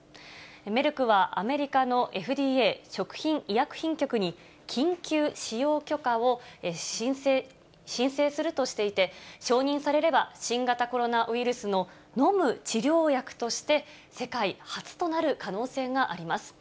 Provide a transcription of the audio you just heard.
メルクは、アメリカのＦＤＡ・食品医薬品局に緊急使用許可を申請するとしていて、承認されれば新型コロナウイルスの飲む治療薬として、世界初となる可能性があります。